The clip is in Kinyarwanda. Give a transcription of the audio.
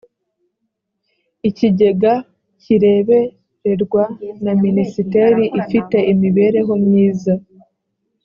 ikigega kirebererwa na minisiteri ifite imibereho myiza.